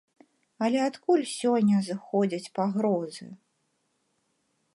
Але адкуль сёння зыходзяць пагрозы?